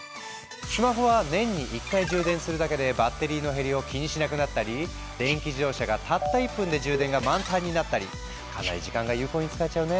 スマホは年に１回充電するだけでバッテリーの減りを気にしなくなったり電気自動車がたった１分で充電が満タンになったり⁉かなり時間が有効に使えちゃうね。